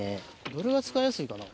どれが使いやすいかな？